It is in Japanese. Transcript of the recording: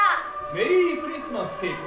メリークリスマス慶子。